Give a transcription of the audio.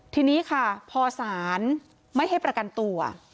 ทีนี้ค่ะพอศาลไม่ให้ประกันตัว